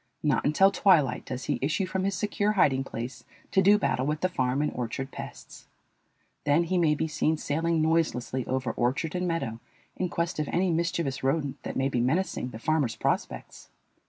Not until twilight does he issue from his secure hiding place to do battle with the farm and orchard pests. Then he may be seen sailing noiselessly over orchard and meadow in quest of any mischievous rodent that may be menacing the farmer's prospects.